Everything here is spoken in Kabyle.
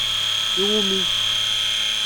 Iwumi?